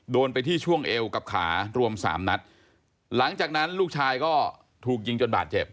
โดนไปที่ช่วงเอวกับขารวมสามนัดหลังจากนั้นลูกชายก็ถูกยิงจนบาดเจ็บ